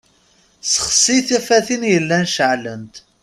Sexsin tafatin yellan ceɛlent.